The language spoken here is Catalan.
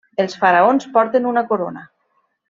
Els faraons porten una corona.